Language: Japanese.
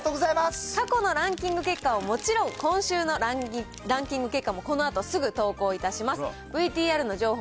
過去のランキング結果はもちろん、今週のランキング結果もこのあとすぐ投稿いたします。